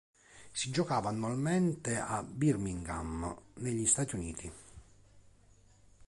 Si giocava annualmente a Birmingham negli Stati Uniti.